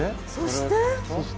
そして。